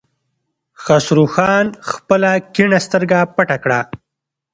خسرو خان خپله کيڼه سترګه پټه کړه.